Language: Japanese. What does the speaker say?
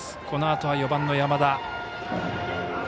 このあとは４番の山田。